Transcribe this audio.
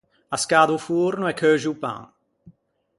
Ascada o forno e cheuxi o pan.